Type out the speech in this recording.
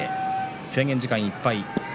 制限時間いっぱい。